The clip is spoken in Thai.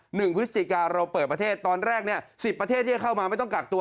หนึ่งพฤศจิกาเราเปิดประเทศตอนแรก๑๐ประเทศที่เข้ามาไม่ต้องกักตัว